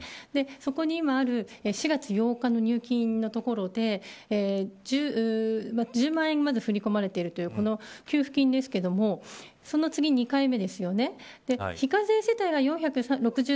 そこに今ある４月８日の入金のところで１０万円、まず振り込まれているという給付金ですがその次２回目ですよね。